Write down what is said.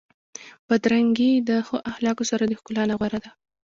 بدرنګي د ښو اخلاقو سره د ښکلا نه غوره ده.